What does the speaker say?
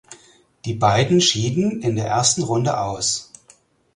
Die beiden schieden in der ersten Runde aus.